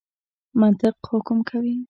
منطق حکم کوي.